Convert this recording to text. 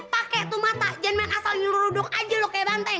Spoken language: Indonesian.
pakai tuh mata jangan asal nyuruduk aja loh kayak banteng